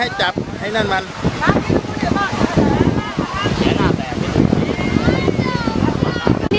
อย่าปล่อยมันไป